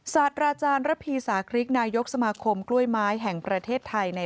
สัตว์ราจารย์ระพีสาธิ์คลิกนายกสมธุ์คลับกล้วยไม้แห่งประเทศไทย